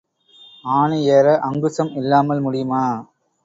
ஆனை ஏற அங்குசம் இல்லாமல் முடியுமா?